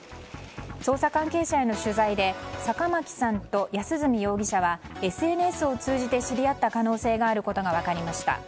捜査関係者への取材で坂巻さんと安栖容疑者はＳＮＳを通じて知り合った可能性があることが分かりました。